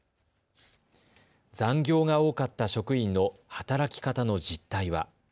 残業が多かった職員の働き方の実態は。